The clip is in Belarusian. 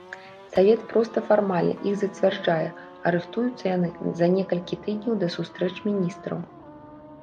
Савет проста фармальна іх зацвярджае, а рыхтуюцца яны за некалькі тыдняў да сустрэч міністраў.